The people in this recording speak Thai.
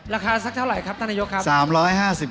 ราคาสักเท่าไหร่ครับท่านนายกครับ